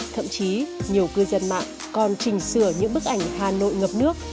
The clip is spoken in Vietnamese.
thậm chí nhiều cư dân mạng còn trình sửa những bức ảnh hà nội ngập nước